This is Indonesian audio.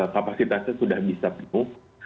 kapasitasnya sudah bisa penuh